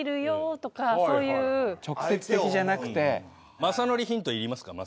まさのりヒントいりますか？